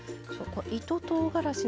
糸とうがらしの。